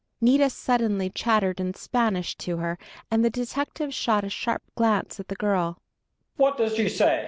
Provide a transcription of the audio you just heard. Nita suddenly chattered in Spanish to her, and the detective shot a sharp glance at the girl.